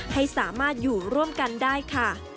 ให้สามารถอยู่ร่วมกันได้ค่ะ